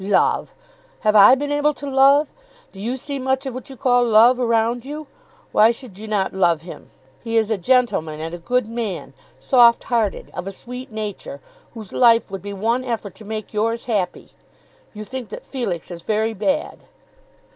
"Love! Have I been able to love? Do you see much of what you call love around you? Why should you not love him? He is a gentleman, and a good man, soft hearted, of a sweet nature, whose life would be one effort to make yours happy. You think that Felix is very bad."